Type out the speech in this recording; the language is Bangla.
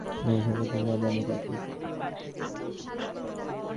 পরিবেশ অধিদপ্তরের কাছ থেকে নেওয়া ছাড়পত্রের মেয়াদ অনেক আগেই শেষ হয়েছে।